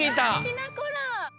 きなこラー！